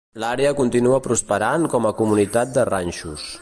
L'àrea continua prosperant com a comunitat de ranxos.